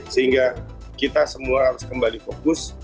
sehingga kita semua harus kembali fokus